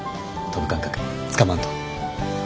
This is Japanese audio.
飛ぶ感覚つかまんと。